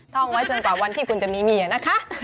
ท่องไว้จนกว่าวันที่คุณจะมีเมียนะคะ